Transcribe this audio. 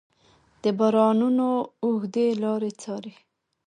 د بارانونو اوږدې لارې څارې